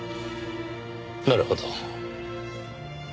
なるほど。